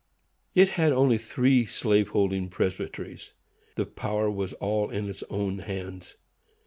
It had only three slave holding presbyteries. The power was all in its own hands.